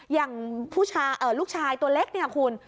อย่างลูกชายตัวเล็กเนี่ยคุณ